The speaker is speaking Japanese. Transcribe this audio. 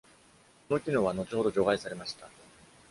この機能は後ほど除外されました。